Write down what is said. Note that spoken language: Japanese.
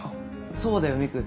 そうだよミク。